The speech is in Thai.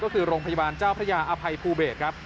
ก็คือโรงพยาบาลเจ้าพระยาอภัยภูเบศครับ